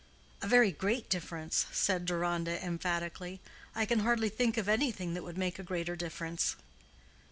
"A very great difference," said Deronda, emphatically. "I can hardly think of anything that would make a greater difference."